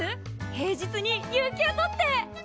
平日に有休取って！